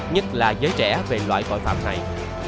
nhất là giới trẻ về loại vội phạm này